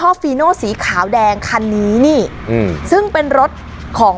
สลับผัดเปลี่ยนกันงมค้นหาต่อเนื่อง๑๐ชั่วโมงด้วยกัน